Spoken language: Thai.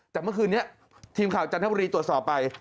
แต่เมื่อคืนนี้ทีมข่าวจันทบุรีตรวจสอบไป